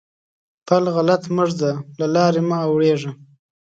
پل غلط مه ږده؛ له لارې مه اوړېږه.